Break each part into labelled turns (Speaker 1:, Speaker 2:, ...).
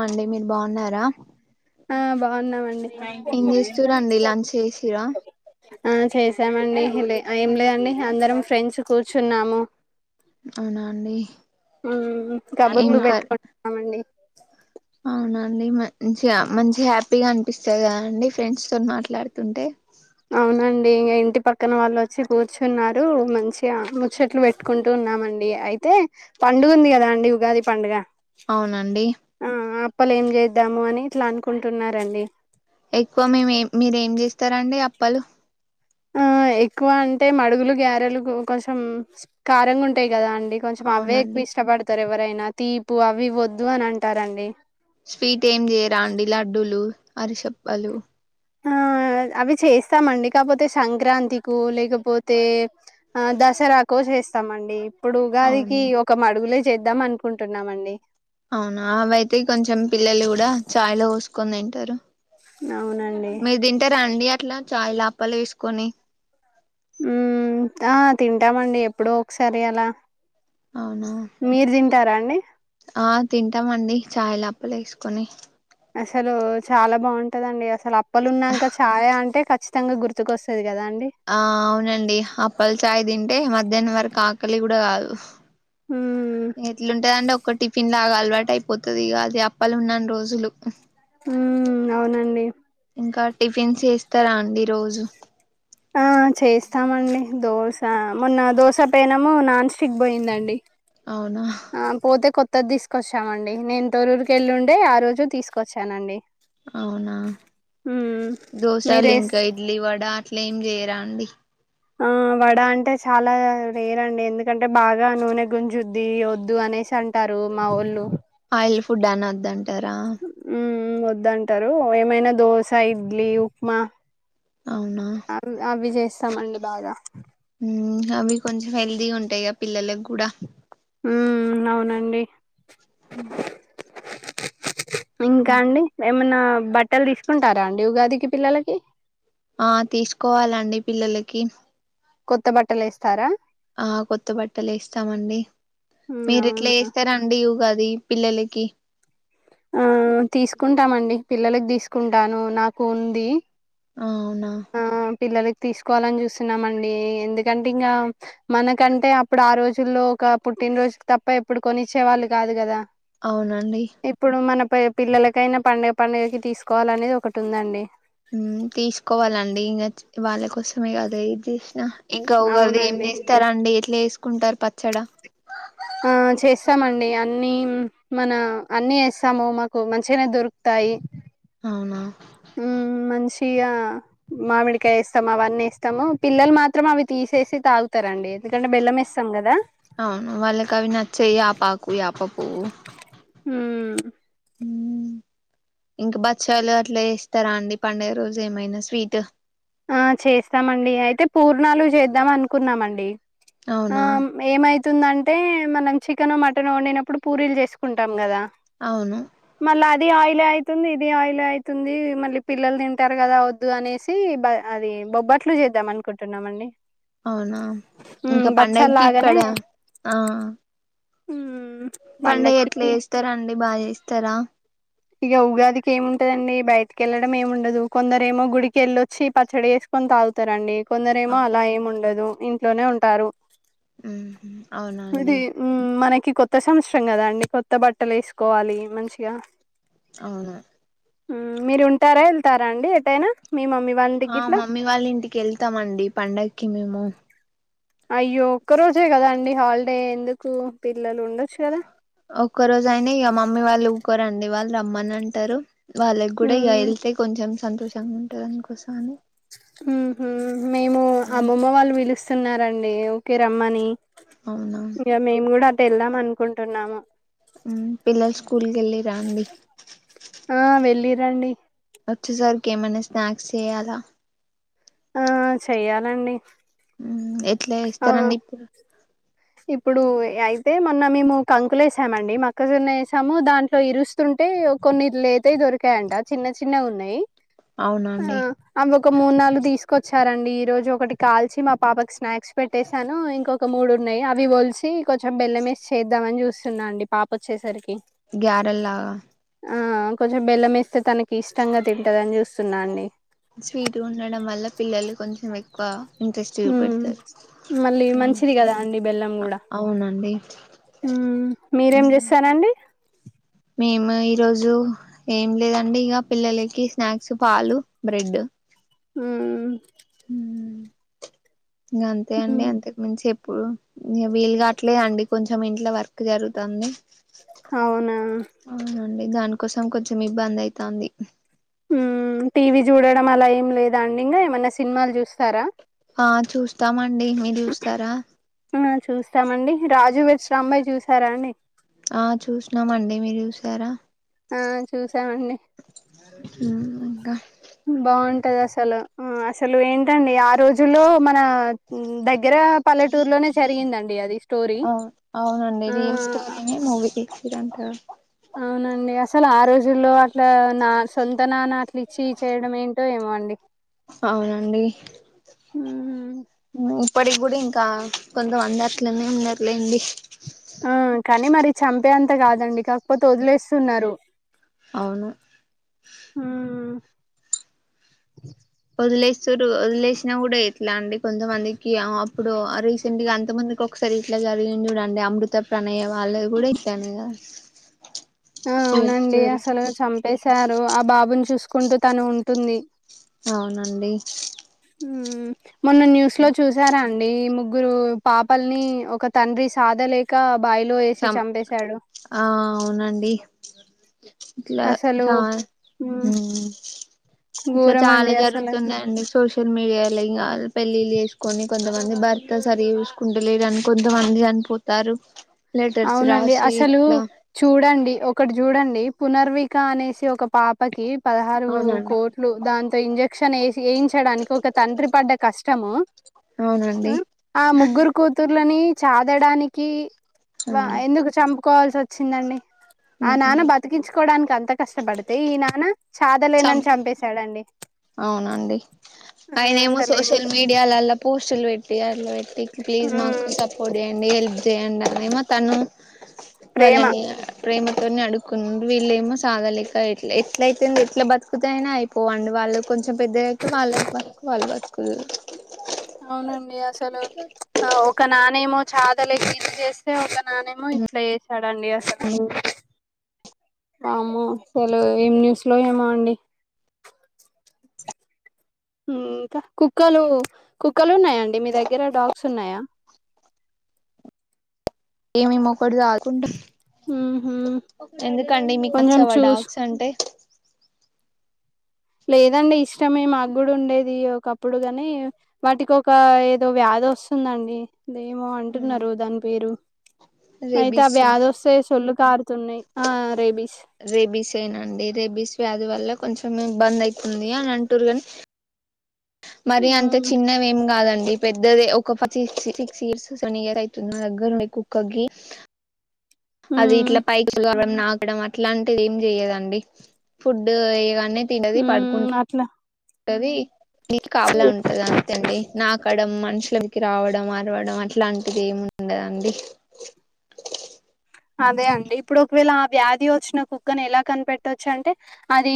Speaker 1: అండి మీరు బాగున్నారా
Speaker 2: ఆ బాగున్నామండి
Speaker 1: ఏం చేస్తురండి లంచ్ చేసిరా
Speaker 2: ఆ చేసామండి లేకా ఏం లేదండి అందరం ఫ్రెండ్స్ కూర్చున్నాము
Speaker 1: అవునా అండి
Speaker 2: మ్మ్
Speaker 1: ఏం
Speaker 2: కబుర్లు పెట్టుకుంటున్నామండి
Speaker 1: అవునా అండి మంచిగా మంచిగా హ్యాపీగా అనిపిస్తదా అండి ఫ్రెండ్స్ తో మాట్లాడుతుంటే
Speaker 2: అవునండి ఇంక ఇంటి పక్కన వాళ్ళు వచ్చి కూర్చున్నారు మంచిగా ముచ్చట్లు పెట్టుకుంటూ ఉన్నామండి అయితే పండుగ ఉంది కదా అండి ఉగాది పండుగ
Speaker 1: అవునండి
Speaker 2: లోప్పలే ఏం చేద్దాము అని ఇట్లా అనుకుంటున్న రండి
Speaker 1: ఎక్కువ మేమే మీరు ఏం చేస్తారండి అప్ పలు
Speaker 2: ఆ ఎక్కువ అంటే మడుగులు గ్యారెలు కొంచెం స్ కారెంగుంటాయ్ గదా అండి కొంచం అవే
Speaker 1: అవునండి
Speaker 2: ఎక్కువ ఇష్టపడతారు ఎవ రైనా తీపు అవి వద్దు అని అంటారండి
Speaker 1: స్వీట్ ఏం చేయరాండి లడ్డూలు అరిసెప్పలు
Speaker 2: ఆ అవి చేస్తామండి కాపోతే సంక్రాంతికో లేకపోతే ఆ దసరాకో చేస్తామండి. ఇప్పుడు ఉగాదికి
Speaker 1: అవును
Speaker 2: ఒక మడుగులే చేద్దాం అనుకుంటున్నామండి
Speaker 1: అవునా అవయితే కొంచెం పిల్లలు కూడా ఛాయ్ లో చ్చుకోని తింటరు
Speaker 2: అవునండి
Speaker 1: ట్లా చాయ్ లా ఆప్పలు వేసుకొని
Speaker 2: మ్మ్ ఆ తింటామండి ఎప్పుడు ఒకసారి అలా
Speaker 1: అవునా
Speaker 2: మీరు తింటారా అండి?
Speaker 1: ఆ తింటామండి చాయ్ లా ప్ప లేసుకొని
Speaker 2: అసలు చాలా బాగుంటదండి అస్ అసలు అప్పులు ఉన్నాంక చాయ్ అంటే ఖ చ్చితంగా గుర్తుకు వస్సది
Speaker 1: ఆ అవునండి అప్పల్ చాయ్ తింటే మ ధ్యానంవరకు ఆకలి కూడా కాదు
Speaker 2: హ్మ్.
Speaker 1: ఎట్లుంటదండి ఒక్క టిఫిన్ లాగా అలవాటైపోతుది ఇగ అది అప్పలు ఉన్నన్ రోజులు
Speaker 2: హ్మ్ అవునండి
Speaker 1: ఇంకా టిఫిన్స్ ఏస్తారా అండి రోజు
Speaker 2: ఆ చేస్తామండి దోశె మొన్న దోశ పెనము నాన్ స్టిక్ బోయిందండి.
Speaker 1: అవునా
Speaker 2: ఆ పోతే కొత్త్ కొత్తది తీసుకొచ్చామండి నేను తొరూరికి వెళ్ళి ఉండే ఆ రోజు తీసుకొచ్చానండి
Speaker 1: అవునా
Speaker 2: మ్మ్ మీరేస్
Speaker 1: దోసెలింకా ఇడ్లీ వడా అట్లేం జేయరాండి
Speaker 2: ఆ వడ అంటే చాలా వేరండి ఎందుకంటే బాగా నూనె గుంజుద్ది వద్దు అనేసి అంటారు మా వోళ్ళు.
Speaker 1: ఈఫుడ్డ్ అనద్దండి
Speaker 2: మ్ హ్మ్ మ్మ్ వద్దంటారు ఏమైనా దోశ ఇడ్లీ ఉప్మా
Speaker 1: అవునా
Speaker 2: అ ఆ విజయ్స్ తమండీ బాగా
Speaker 1: మ్మ్ అవి కొంజెం హెల్తీగా ఉంటాయ్ గ పిల్లల్లక్ గూడ
Speaker 2: మ్మ్ అవునండి
Speaker 1: హ్మ్
Speaker 2: ఇంకా అండి ఏమనా బట్టలు తీసుకుంటారా అండి ఉగాదికి పిల్లలకి
Speaker 1: ఆ తీసుకోవాలండి పిల్లలకి
Speaker 2: కొత్త బట్టలు ఎస్తారా
Speaker 1: ఆ కొత్త బట్టలు వేస్తామండి మీరు ఎట్లా
Speaker 2: అవునా
Speaker 1: చేస్తారాండి ఇగాది పిల్లలకి
Speaker 2: ఆ తీసుకుంటామండి పిల్లలకి తీసుకుంటాను నాకు ఉంది
Speaker 1: అవునా
Speaker 2: ఆ పిల్లలకి తీసుకోవాలని చూస్తున్నామండి ఎందుకంటే ఇంకా మనకంటే అప్పుడు ఆ రోజుల్లో ఒక పుట్టినరోజుకి తప్ప ఎప్పుడు కొనిచ్చే వాళ్ళు కాదు కదా
Speaker 1: అవునండి
Speaker 2: ఇప్పుడు మన పిల్లలకైనా పండుగ పండుగకి తీసుకోవాల అనేది ఒకటి ఉందండి
Speaker 1: మ్మ్ తీసుకోవాలండి ఇంక వాళ్ళ కోసమే కద ఇది చేసినా ఇంకా ఉగాది ఏం
Speaker 2: అవునండి
Speaker 1: చేస్తారండి త [unintelligible] ఉగాది పచ్చడ
Speaker 2: ఆ చేస్తామండి అన్ని మన అన్ని వేస్తాము మాకు మంచిగానే దొరుకుతాయి
Speaker 1: అవునా
Speaker 2: హ్మ్. మంచిగా మామిడికాయ ఎస్తాం అవన్నీ ఎస్తాము పిల్లలు మాత్రం అవి తీసేసి తాగు
Speaker 1: అవును వాళ్ళ కవి నాచ్చవు యాపాకు యాప అవును
Speaker 2: మ్మ్
Speaker 1: ఇంకా బక్ష్యలు అట్లా ఇస్తారా అండి పండగ రోజు ఏమైనా స్వీట్
Speaker 2: ఆ చేస్తామండి అయితే పూర్ణాలు చేద్దాం అనుకు కున్నామండి ఆ
Speaker 1: అవునా
Speaker 2: మీమైత్ అతుందంటే మనం చికెన్ మటన్ వండినప్పుడు పూరీలు చేసుకుంటాం కదా
Speaker 1: అవున
Speaker 2: మళ్ళీ అది ఆయిలే అయితుంది ఇది ఆయిలే అయితుంది మళ్ళీ పిల్లలు తింటారు కదా వద్దు అనేసి అది బొబ్బట్లు చేద్దాం అనుకుంటున్నామ అండి
Speaker 1: అవునా
Speaker 2: బచ్చల్లాగానే
Speaker 1: ఆ
Speaker 2: ఉను
Speaker 1: పండుగ ఎట్లా చేస్తారు అండి బాగా చేస్ తనా
Speaker 2: ఇక ఉగాదికి ఏముంటదండి బయటకి వెళ్లడం ఏమ్ ఉండదు కొందరు ఏమో గుడికి వెళ్ళొచ్చి పచ్చడి చేసుకొని తాగుతారండి కొందరేమో అలా ఏమి ఉండదు ఇంట్లోనే ఉంటారు
Speaker 1: ఉహుమ్ అవునా అండి.
Speaker 2: కి కొత్త సంవత్సరం కదా అండి, కొత్త బట్టలు ఏస్కోవాలి మంచిగా.
Speaker 1: అవునా.
Speaker 2: ఉమ్ మీరు ఉంటారా, ఎళ్తారా అండి ఎటైనా. మీ మమ్మీ వాళ్ళ ఇంటికి
Speaker 1: ఆ
Speaker 2: గిట్లా
Speaker 1: మమ్మీ వాళ్ళ ఇంటికి ఎళ్తామండి పండగ్కి మేము.
Speaker 2: అయ్యో ఒక్క రోజే కదా అండి, హాలిడే ఎందుకు తి.
Speaker 1: ఒక్కో రోజైనా, ఇగ మమ్మీ వాళ్ళు. ఒక రండి, వాళ్ళు రమ్మన్ అంటారు. వాళ్ళగ్ గూడా ఇగా
Speaker 2: మ్మ్,
Speaker 1: ఎళ్తే కొంచెం. సంతోషంగా ఉంటదాని కోసాని.
Speaker 2: ఉహుమ్, మేము
Speaker 1: అవును
Speaker 2: అమ్మమ్మ వాళ్ళు పిలుస్త్. స్తున్నారండి, ఓకే రమ్మని.
Speaker 1: అవునా
Speaker 2: ఇగా మేం గూడా అత్. వెళ్దాం అనుకుంటున్నాము.
Speaker 1: ఉమ్ పిల్లల్ స్కూల్కి ఎళ్ళిరా అండి.
Speaker 2: రండి.
Speaker 1: వచ్చేసరికి ఏమన్నా స్నాక్స్ చేయాలా?
Speaker 2: ఆ చెయ్యాలండి.
Speaker 1: ఎట్ల
Speaker 2: ఆ
Speaker 1: ఏస్తారండి ఇప్పుడు.
Speaker 2: ఇప్పుడు యాయిత్. తే, మొన్న మేము కంకులు ఏసామండి. మక్కజొన్న ఏసాము దాంట్లో ఇరుస్తుంటే కొన్ని లేతయి దొరికాయంట, చిన్న చిన్నగా ఉన్నాయి. ఆ
Speaker 1: అవునండి
Speaker 2: అమొక్. ఒక మూడ్, నాలుగు తీసుకొచ్చారండి. ఈ రోజు ఒకటి కాల్చి మా పాపకి స్నాక్స్ పెట్టసాను, ఇంకొక మూడు. ఉన్నాయి. అవి ఓల్సి కొంచెం బెల్లంఎసి, చేద్దామని చూస్తున్నా అండి పాప ఓచ్చేసరికి.
Speaker 1: గ్యారేల్ లాగా.
Speaker 2: ఆ కొంచెం బెల్లంఎస్తే, తనకి ఇష్టంగా తింటందని జూస్తున్నా అండి.
Speaker 1: స్వీట్గా ఉండడం వల్ల పిల్లలు కొంచెం ఎక్కువ. ఇంట్రెస్ట్
Speaker 2: ఉమ్
Speaker 1: చూపెడతారు
Speaker 2: మళ్ళీ
Speaker 1: అవును
Speaker 2: మంచిది కదా అండి బెల్లం గూడ,
Speaker 1: అవునండి
Speaker 2: ఉమ్ మీరేం జేస్తారండి.
Speaker 1: మేము ఈ రోజు ఏం లేదండి ఇగా, పిల్లలకి స్నాక్స్ పాలు, బ్రెడ్.
Speaker 2: ఉమ్మ్.
Speaker 1: ఇంగా అంతే అండి,
Speaker 2: ఉమ్,
Speaker 1: అంతక్ మించి చెప్. ప్పుడు ఇగ వీల్ కాట్లేదండి, కొంచెం ఇంట్లో వర్క్ జరుగుతాంది.
Speaker 2: అవునా.
Speaker 1: [unintelligible] దానికోసం కొంచెం ఇబ్బంది అయితాంది.
Speaker 2: ఉమ్ టీ వీ చూడడం అలా ఏం లేదఅండి ఇంగా, ఏమన్నా సినిమాలు జూస్త్.
Speaker 1: ఆ చూస్తామండి, మీర్ చూస్తారా.
Speaker 2: ఆ చూస్తామండి రాజు వెడ్స్ రాంబయి చూసారా అండి
Speaker 1: ఆ చూసినాం అండి మీరు చూసారా
Speaker 2: ఆ చూసామండి
Speaker 1: ఉమ్ ఇంకా
Speaker 2: బాగుంటది అసలు ఆ అసలు ఏంటండి ఆ రోజుల్లో మన దగ్ స్టోరీ.
Speaker 1: అవ్ అవునండి
Speaker 2: ఆ
Speaker 1: రియల్ స్టోరీనే మూవీకి చిరంట
Speaker 2: జుల్లో అట్లా నా సొంత నాన్న అట్ల ఇచ్చి చేయడం ఏంటో ఏమో అండి
Speaker 1: అవునండి
Speaker 2: హ్మ్.
Speaker 1: మ్ ఇప్పటికి కూడా ఇంకా కొంతమంది అట్లనే ఉన్నరు లెండి
Speaker 2: ఆ కానీ మరి చంపే అం త కాదండి కాకపోతే వదిలేస్తున్నారు
Speaker 1: అవును
Speaker 2: హ్మ్.
Speaker 1: వదిలేస్తుర్రు వదిలేసినా కూడా ఎట్లా అండి కొంతమందికి అప్పుడు రీసెంట్ గా అంత మందికి ఒకసారి ఇట్లా జరిగింది చూడండి అమృత ప్రణయ్ వాళ్ళదీ కూడా ఇట్లనే గదా
Speaker 2: ఆ అవునండి అసలు చంపేశార్ రు ఆ బాబుని చూసుకుంటూ తను ఉంటుంది
Speaker 1: అవునండి
Speaker 2: హు మొన్న న్యూస్ లో చూసారా అన్ డి ముగ్గురు పాపల్ని ఒక తండ్రి సాధలేక బావిలో ఏసి
Speaker 1: చం
Speaker 2: చంపేశాడు.
Speaker 1: ఆ అవునండి ఇట్లా
Speaker 2: అసలు
Speaker 1: చా
Speaker 2: హ్మ్.
Speaker 1: మ్ ఇట్లా చాలా
Speaker 2: ఘోరమండి అసలట్లా.
Speaker 1: జరుగుతున్నాయండి సోషల్ మీడియాలో ఇంగా పెళ్ళిళ్ళు చేసుకొని కొంతమంది భర్త సరిగ చూసుకుంటలేడని కొంతమంది చనిపోతార్రు
Speaker 2: అవునండి అసలు చూడండి ఒ క్కటి చూడండి పునర్విక అనేసి ఒక పాపకి పదహారు
Speaker 1: అవునండి
Speaker 2: కోట్లు దాంతో ఇంజక్షన్ వేస్ వేయించడానికి ఒక తండ్రి పడ్డ కష్టము
Speaker 1: అవునండి
Speaker 2: ఆ ముగ్గురు కూతుర్లని చాదడానికి
Speaker 1: ఆ
Speaker 2: వా ఎందుకు చంపుకోవాల్సి వచ్చిం చిందండి ఆ నాన్న బతికించుకోవడానికి అంత కష్ ష్టపడుతే ఈ నాన చాదలేనని
Speaker 1: చంప
Speaker 2: చంపేశాడండి
Speaker 1: అవునండి
Speaker 2: ఆ
Speaker 1: ఆయనేమో
Speaker 2: అసలు
Speaker 1: సోషల్ మీడియాలల్ల పోస్టులు పెట్టి అట్ వెట్టి ప్లీజ్ మాకు
Speaker 2: మ్మ్
Speaker 1: సపోర్ట్ చేయండి హెల్ప్ చేయండి ఏ మేమో తను
Speaker 2: ప్రేమ
Speaker 1: వాళ్ళని ప్రేమతోని అడుకు వీళ్ళేమో సాగలేక ఎట్లా ఎట్లయితేో ఎట్లా బతుకుత అయినా అయిపోవండి వాళ్ళు కొంచెం పెద్ద యక వాళ్ళ బతుకు వాళ్ళు బసుకు దురు
Speaker 2: అవునం డి అసలు అవు ఒక నానేమో చాదల లేసి ఇంద చేస్తే ఒక నానేమో ఇట్లా చేసాడండి అసలు వామ్మో అసలు ఏం న్యూస్ లో ఏమో అండి ఇంకా కుక్కలు కుక్కలు ఉన్నాయాండి మీ దగ్గర డాగ్స్ ఉన్నాయా
Speaker 1: ఏమి ఇవ్వకూడదు ఆకుండా
Speaker 2: మ్మ్ హ్మ్
Speaker 1: ఎందుకండి మీకు
Speaker 2: కొంచెం
Speaker 1: నచ్చావా
Speaker 2: చూస్
Speaker 1: డాగ్స్ అంటే
Speaker 2: లేదండి ఇష్టమే మాకుగు ఉండేది ఒకప్పుడు గని వాటికి ఒక ఏదో వ్యాధి వస్తుందండి ఇదేమో అంటున్నారు దాని పేరు అయితే అ
Speaker 1: రేబీస్
Speaker 2: వ్యాధి వస్తే సొల్లు తారు
Speaker 1: రేబీస్ ఏ నాండి రేబీస్ వ్యాధి వల్ల కొంచెం ఇబ్బంద్ అయితుంది అని అంటురు కానీ మరి అంత
Speaker 2: హ్మ్
Speaker 1: చిన్నవి ఏం కాదండి అ పెద్దది ఒక సి సిక్స్ ఇయర్స్ వన్ ఇయర్ అయితున్న దగ్గర కుక్కగి అది
Speaker 2: హ్మ్
Speaker 1: ఇట్లా పైకి ఎరద్ నాకడం అట్లాంటిది ఏం చెయ్యదండి ఫుడ్ వేయగానే తిన్నది పడుకుంట్
Speaker 2: హ్మ్ అట్లా
Speaker 1: గది నీకు కాపలా ఉంటది అంతే అండి నాకు ఎక్కడం మనుషులకి రావడం అరవడం అట్లాంటిది ఏమి ఉండదండి
Speaker 2: అదే అండి ఇప్పుడు ఒకవేళ వ్యాధి వచ్చిన కుక్కని ఎలా కనిపెట్టవచ్చు అంటే అది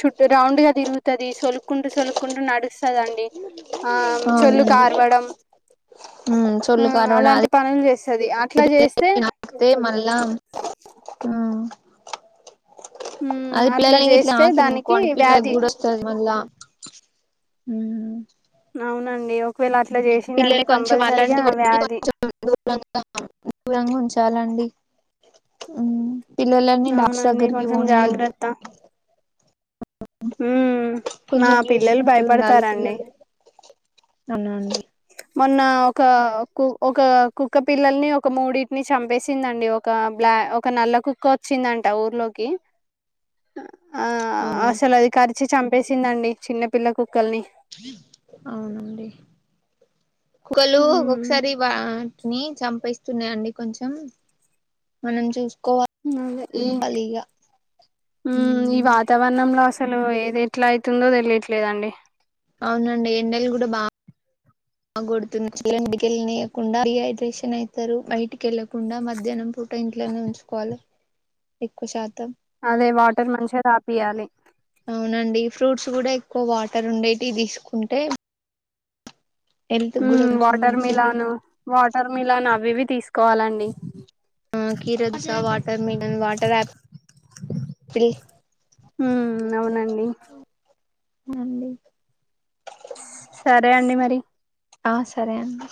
Speaker 2: చుట్ట రౌండ్ గా తిరుగుతది సొలుకుంటు సొలుకుంట నడుస్తు కదండి ఆ చల్లు
Speaker 1: అవునండి
Speaker 2: కార్వడం
Speaker 1: ఉమ్
Speaker 2: ఆ
Speaker 1: చొల్లు కరవడం
Speaker 2: అలాంటి
Speaker 1: అది
Speaker 2: పనులు చేస్తది అట్లా చేస్తే
Speaker 1: నాకితే మళ్ళా
Speaker 2: హ్మ్.
Speaker 1: అది
Speaker 2: అట్లా
Speaker 1: పిల్లలకి ఇట్లా
Speaker 2: చేస్తే
Speaker 1: హకిందిను
Speaker 2: దానికి
Speaker 1: కోండిపిల్లల
Speaker 2: వ్యాధి
Speaker 1: గుడ వస్తది మళ్ళా హ
Speaker 2: అవునండి ఒకవేళ అట్లా చేసిందంటే
Speaker 1: పిల్లలు కొంచెం అలాంటి
Speaker 2: కంపల్సరిగా
Speaker 1: వాటిని
Speaker 2: వ్యాధి
Speaker 1: కొంచం దూరంగా దూరంగా ఉంచాలండి అ పిల్లలని డాక్స
Speaker 2: అవునండి
Speaker 1: దగ్గర్కి
Speaker 2: కొంచెం
Speaker 1: పోనీయద్దు
Speaker 2: జాగ్రత్త ఉమ్ మా
Speaker 1: కొంచెం
Speaker 2: పిల్లలు
Speaker 1: చూసుకుంటూ ఉండాలి
Speaker 2: భయపడతారండి
Speaker 1: పిల్లలు అవున అండి
Speaker 2: మొన్న ఒక కు ఒక కుక్క పిల్లల్ని ఒక మూడిటిని చంపేసిందండి, ఒక బ్లా ఒక నల్ల కుక్క వచ్చిందంట ఊర్లోకి. ఆ
Speaker 1: హానా
Speaker 2: అసలు అది కరిచి చంపేసిందండి చిన్న పిల్లకు
Speaker 1: అవునండి కుగలు
Speaker 2: ఉమ్
Speaker 1: ఒకసారి బా ని చంపిస్తున్నా అండి కొంచెం మనం చూస్
Speaker 2: ఈ మ్మ్ ఈ వాతావరణంలో అస్ హలో ఏది ఎట్లా అయితుందో తెలియట్లేదండి
Speaker 1: అవునండి ఎండలు గుడ బా బాగొడుతుంది [unintelligible] నీయకుండ డీహైడ్రేషన్ అయితారు బయటికెళ్ళకుండా మధ్యాహ్నం పూట ఇంట్లోనే ఉంచుకోవాలి ఎక్కువ శాతం.
Speaker 2: అదే వాటర్ మంచిగ దాపియాలి
Speaker 1: అవునండి ఫ్రూట్స్ గుడ ఎక్కువ వాటర్ ఉండేటి తీసుకుంటే హెల్త్ కూడా
Speaker 2: హ్మ్
Speaker 1: కొంచెం
Speaker 2: వాటర్
Speaker 1: మంచిది
Speaker 2: మిలాన్ వాటర్ మిలాన్ అవివి తీసుకోవాలండి
Speaker 1: ఆ కిరత్జ వాటర్మిలన్ వాటర్ ఆపిల్
Speaker 2: మ్మ్ అవునండి ఉ
Speaker 1: అండి
Speaker 2: సరే అండి మరి
Speaker 1: ఆ సరే అండి